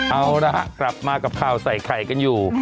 เอาละฮะกลับมากับข่าวใส่ไข่กันอยู่